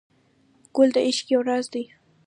ګل د عشق یو راز دی.